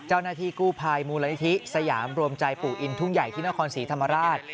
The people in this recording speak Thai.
เจ้าหน้าที่กู้ภัยมูลนิธิสยามรวมใจปู่อินทุ่งใหญ่ที่นครศรีธรรมราช